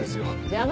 邪魔！